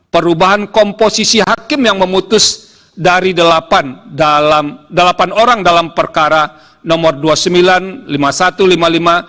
perubahan komposisi hakim yang memutus dari delapan orang dalam perkara nomor dua puluh sembilan lima puluh satu lima puluh lima